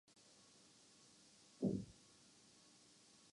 یوں کہیے کہ شرق و غرب کی تاریخ کو سمیٹ دیتے ہیں۔